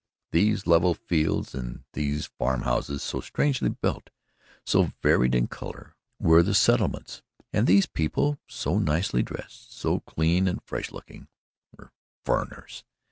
These level fields and these farm houses so strangely built, so varied in colour were the "settlemints," and these people so nicely dressed, so clean and fresh looking were "furriners."